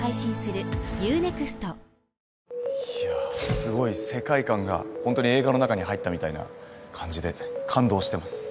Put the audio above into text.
すごい世界観が本当に映画の中に入ったみたいな感じで感動してます